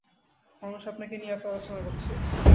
মানুষ আপনাকে নিয়ে এতো আলোচনা করছে।